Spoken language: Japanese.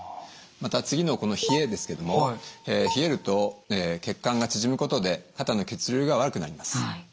また次のこの「冷え」ですけれども冷えると血管が縮むことで肩の血流が悪くなります。